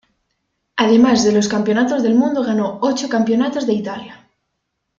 Además de los campeonatos del mundo ganó ocho campeonatos de Italia.